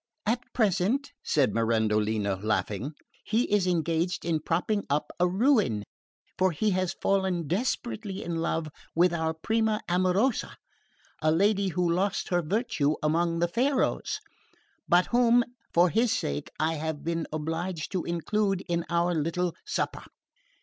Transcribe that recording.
"At present," said Mirandolina laughing, "he is engaged in propping up a ruin; for he has fallen desperately in love with our prima amorosa, a lady who lost her virtue under the Pharaohs, but whom, for his sake, I have been obliged to include in our little supper."